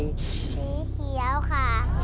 สีเขียวค่ะ